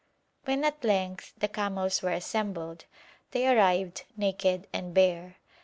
When at length the camels were assembled, they arrived naked and bare.